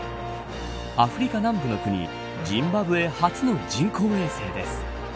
アフリカ南部の国ジンバブエ初の人工衛星です。